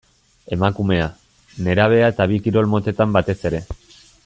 Emakumea, nerabea eta bi kirol motetan batez ere.